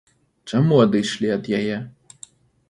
Чаму адышлі ад яе?